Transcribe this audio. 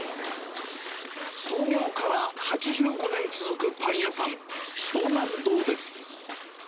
創業から８５年続くパン屋さん、湘南堂です。